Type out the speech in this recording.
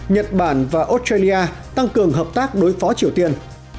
nhật bản và australia tăng cường hợp tác đối phó triều tiên